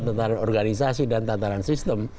tantaran organisasi dan tantaran sistem